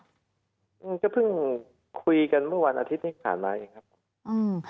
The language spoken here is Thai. อืมก็เพิ่งคุยกันเมื่อวันอาทิตย์ที่ผ่านมาเองครับผมอืม